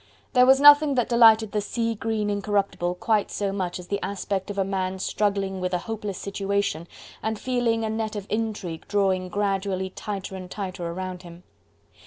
There was nothing that delighted the sea green Incorruptible quite so much as the aspect of a man struggling with a hopeless situation and feeling a net of intrigue drawing gradually tighter and tighter around him.